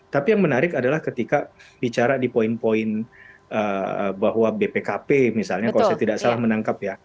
tapi yang menarik adalah ketika bicara di poin poin bahwa bpkp misalnya kalau saya tidak salah menangkap ya